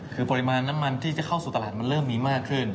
คือปริมาณน้ำมันที่เข้ามาแล้วก็เริ่มมีมากขึ้น